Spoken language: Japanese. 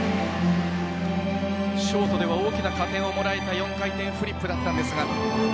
ショートでは大きな加点をもらえた４回転フリップだったんですが。